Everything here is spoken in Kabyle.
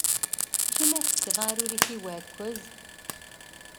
Acimi ara tefkeḍ aɛrur-ik i uɛekkaz?